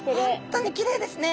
本当にきれいですね。